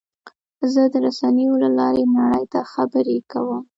زه د رسنیو له لارې نړۍ ته خبرې کوم.